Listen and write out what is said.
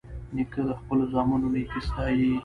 نیکه د خپلو زامنو نیکي ستايي.